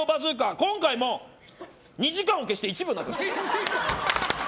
今回も２時間を消して１秒になってます。